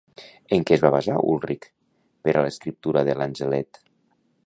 En què es va basar Ulrich per a l'escriptura de Lanzelet?